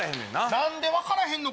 何で分かれへんの？